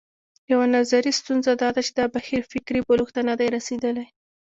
یوه نظري ستونزه دا ده چې دا بهیر فکري بلوغ ته نه دی رسېدلی.